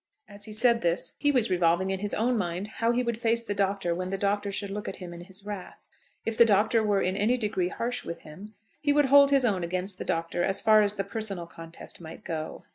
As he said this he was revolving in his own mind how he would face the Doctor when the Doctor should look at him in his wrath. If the Doctor were in any degree harsh with him, he would hold his own against the Doctor as far as the personal contest might go.